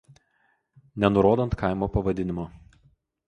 nenurodant kaimo pavadinimo